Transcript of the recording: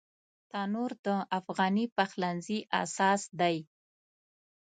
تنور د افغاني پخلنځي اساس دی